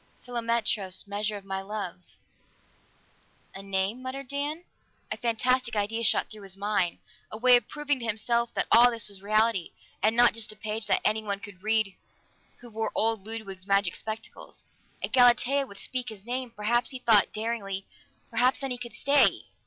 Philometros! Measure of my love!" "A name?" muttered Dan. A fantastic idea shot through his mind a way of proving to himself that all this was reality, and not just a page that any one could read who wore old Ludwig's magic spectacles. If Galatea would speak his name! Perhaps, he thought daringly, perhaps then he could stay!